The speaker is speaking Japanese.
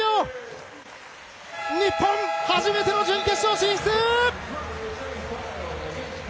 日本、初めての準決勝進出！